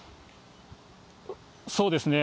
そうですね。